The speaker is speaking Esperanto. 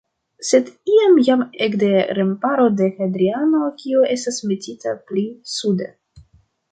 Sed iam jam ekde remparo de Hadriano, kiu estas metita pli sude.